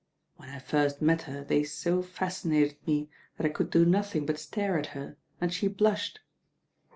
When I first met her they so fascin ated me that I could do nothing but stare at her, and she blushed.